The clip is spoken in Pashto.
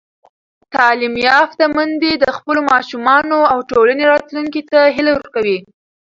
تعلیم یافته میندې د خپلو ماشومانو او ټولنې راتلونکي ته هیله ورکوي.